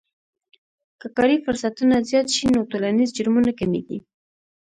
که کاري فرصتونه زیات شي نو ټولنیز جرمونه کمیږي.